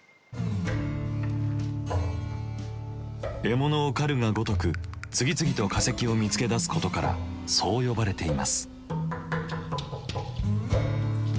獲物を狩るがごとく次々と化石を見つけ出すことからそう呼ばれています。